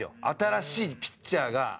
新しいピッチャーが。